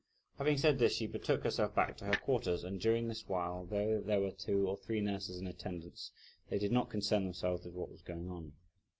Having said this, she betook herself back to her quarters; and during this while, though there were two or three nurses in attendance, they did not concern themselves with what was going on.